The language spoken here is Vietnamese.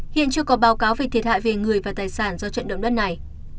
hiện chưa có báo cáo về thiệt hại về người và tài sản do trận động đất này